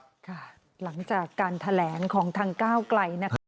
หลังจากการแถลงของทางก้าวไกลนะคะ